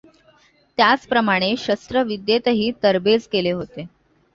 त्याच प्रमाणे शस्त्र विद्येतही तरबेज केले होते.